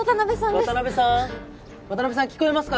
渡辺さん渡辺さん聞こえますか？